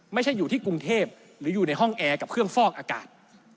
ไม่ใช่อยู่ที่กรุงเทพหรืออยู่ในห้องแอร์กับเครื่องฟอกอากาศ